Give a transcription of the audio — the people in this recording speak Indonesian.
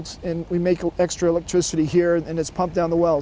dan kita membuat elektrik ekstra di sini dan dikawal